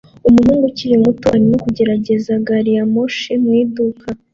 Umuhungu ukiri muto arimo kugerageza gari ya moshi mu iduka